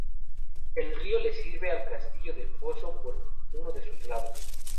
El río le sirve al castillo de foso por uno de sus lados.